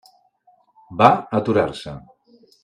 Va aturar-se.